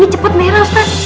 ini cepet merah ustadz